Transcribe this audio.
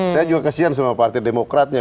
saya juga kasihan sama partai demokratnya